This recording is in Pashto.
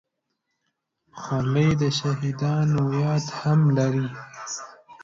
خولۍ د شهیدانو یاد هم لري.